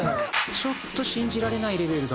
ちょっと信じられないレベル。